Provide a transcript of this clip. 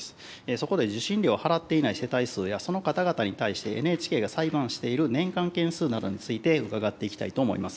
そこで受信料を払っていない世帯数やその方々に対してＮＨＫが裁判している年間件数などについて、伺っていきたいと思います。